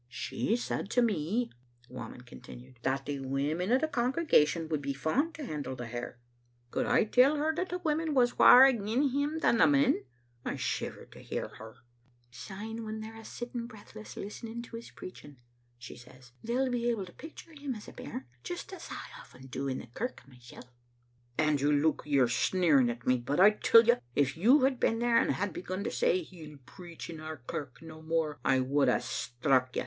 "She said to me," Whamond continued, "that the women o' the congregation would be fond to handle the hair. Could I tell her that the women was waur agin him than the men? I shivered to hear her. "*Syne when they're a* sitting breathless listening to his preaching,' she says, 'they'll be able to picture him as a bairn, just as I often do in the kirk mysel*.' "Andrew Luke, you're sneering at me, but I tell you if you had been there and had begun to say, * He'll preach in our kirk no more,' I would hae struck you.